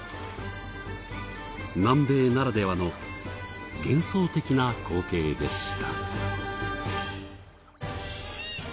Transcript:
南米ならではの幻想的な光景でした。